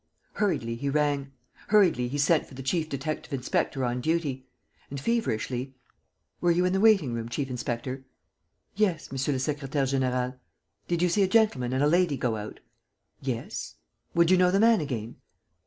Hurriedly he rang. Hurriedly he sent for the chief detective inspector on duty. And, feverishly: "Were you in the waiting room, chief inspector?" "Yes, monsieur le secrétaire; général." "Did you see a gentleman and a lady go out?" "Yes." "Would you know the man again?"